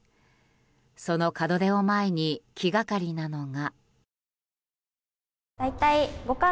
その門出を前に気がかりなのが。